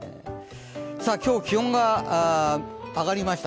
今日、気温が上がりました。